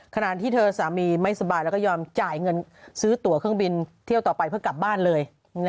ขณะที่เธอสามีไม่สบายแล้วก็ยอมจ่ายเงินซื้อตัวเครื่องบินเที่ยวต่อไปเพื่อกลับบ้านเลย